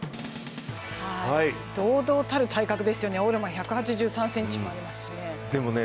堂々たる体格ですよねオールマンは１８３ｃｍもありますしね。